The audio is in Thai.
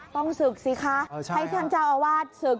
ต้องศึกซิคะเอ้อใช่ค่ะให้ท่านเจ้าอาวาสศึก